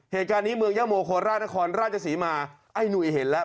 เหตุการณ์นี้เมืองยะโมโคราชนครราชศรีมาไอ้หนุ่ยเห็นแล้ว